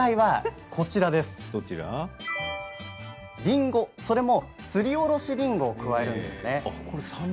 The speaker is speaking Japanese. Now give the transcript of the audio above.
正解はりんごそれも、すりおろしりんごを加えるんですね。